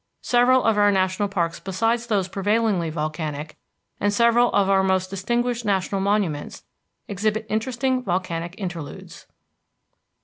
Several of our national parks besides those prevailingly volcanic, and several of our most distinguished national monuments, exhibit interesting volcanic interludes.